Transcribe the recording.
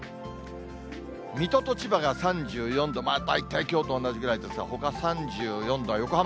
水戸と千葉が３４度、大体きょうと同じぐらいですが、ほか３４度は横浜。